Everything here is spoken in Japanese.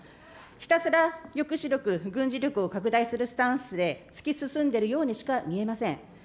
ひたすら抑止力、軍事力を拡大するスタンスで、突き進んでいるようにしか見えません。